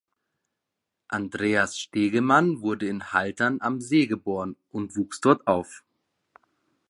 Andreas Stegemann wurde in Haltern am See geboren und wuchs dort auf.